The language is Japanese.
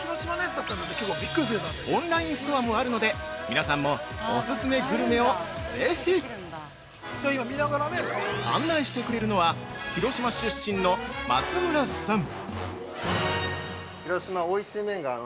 オンラインストアもあるので、皆さんもおすすめグルメをぜひ。案内してくれるのは、広島出身の松村さん。